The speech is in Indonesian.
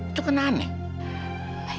itu kan aneh